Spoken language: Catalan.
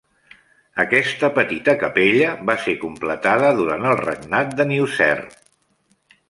Aquesta petita capella va ser completada durant el regnat de Nyuserre.